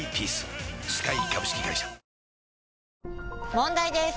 問題です！